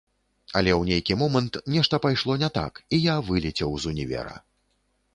Але ў нейкі момант нешта пайшло не так, і я вылецеў з універа.